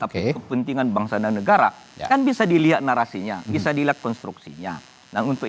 tapi kepentingan bangsa dan negara kan bisa dilihat narasinya bisa dilihat konstruksinya dan untuk